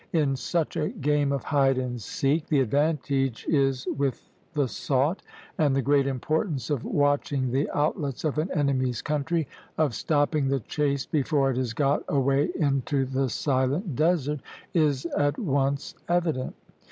In such a game of hide and seek the advantage is with the sought, and the great importance of watching the outlets of an enemy's country, of stopping the chase before it has got away into the silent desert, is at once evident.